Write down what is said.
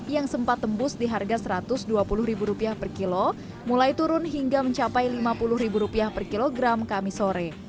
yang sempat tembus di harga rp satu ratus dua puluh per kilo mulai turun hingga mencapai rp lima puluh per kilogram kami sore